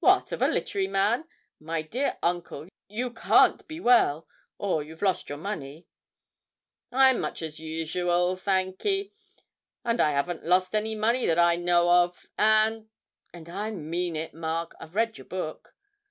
'What, of a literary man! My dear uncle, you can't be well or you've lost money.' 'I'm much as usual, thanky, and I haven't lost any money that I know of, and and I mean it, Mark, I've read your book.'